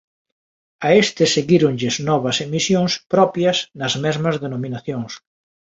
A estes seguíronlles novas emisións propias nas mesmas denominacións.